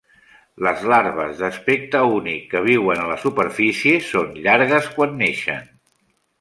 Les larves d'aspecte únic que viuen a la superfície són llargues quan neixen.